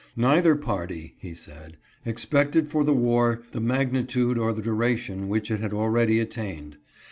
Neither party," he said, " expected for the war the magnitude or the duration which it had already attained.